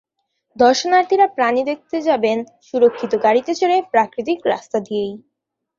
দর্শনার্থীরা প্রাণী দেখতে যাবেন সুরক্ষিত গাড়িতে চড়ে, প্রাকৃতিক রাস্তা দিয়েই।